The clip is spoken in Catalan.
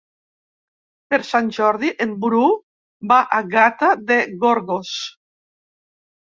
Per Sant Jordi en Bru va a Gata de Gorgos.